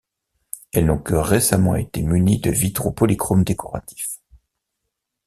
Elles n'ont que récemment été munies de vitraux polychromes décoratifs.